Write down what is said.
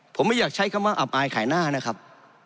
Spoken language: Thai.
ผมไม่อยากใช้คำว่าอับอายขายหน้านะครับ